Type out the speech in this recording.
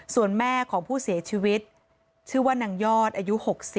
ส่วนแม่ของผู้เสียชีวิตชื่อว่านางยอดอายุ๖๐